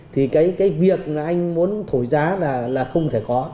thì cái việc là anh muốn thổi giá là không thể có